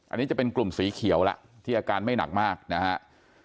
อันนี้จะเป็นกลุ่มสีเขียวแล้วที่อาการไม่หนักมากนะครับ